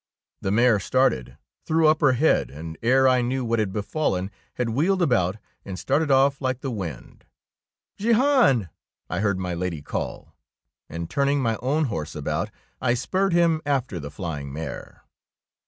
The mare started, threw up her head, and ere I knew what had befallen, had wheeled about and started off like the wind. '' Jehan,'^ I heard my Lady call; and turning my own horse about, I spurred him after the flying mare.